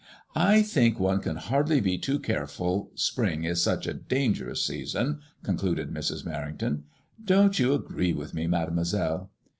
I think one can hardly be too careful, spring is such a dangerous season/' concluded Mrs. Merrington. " Don't you agree with me, Mademoiselle